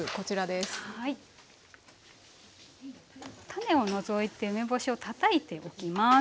種を除いて梅干しをたたいてできます。